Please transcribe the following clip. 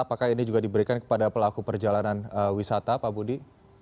apakah ini juga diberikan kepada pelaku perjalanan wisata pak budi